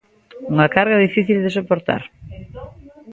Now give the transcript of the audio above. Unha carga difícil de soportar.